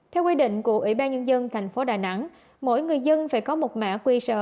theo quy định của ủy ban nhân dân thành phố đà nẵng mỗi người dân phải có một mạng quý rờ